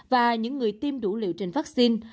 và những người tiêm đủ liệu trình vắc xin